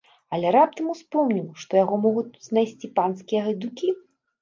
Але раптам успомніў, што яго могуць тут знайсці панскія гайдукі.